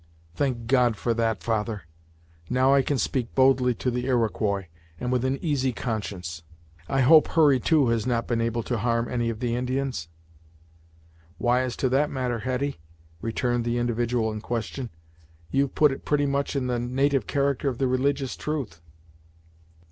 "Thank God for that, father! Now I can speak boldly to the Iroquois, and with an easy conscience. I hope Hurry, too, has not been able to harm any of the Indians?" "Why, as to that matter, Hetty," returned the individual in question, "you've put it pretty much in the natyve character of the religious truth.